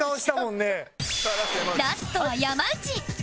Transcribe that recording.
ラストは山内